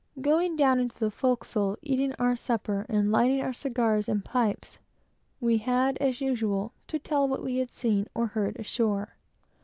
Going down into the forecastle, eating our supper, and lighting our cigars and pipes, we had, as usual, to tell all we had seen or heard ashore.